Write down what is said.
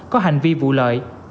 có hành vi vụ lợi